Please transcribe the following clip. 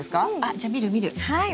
じゃあ見る見る。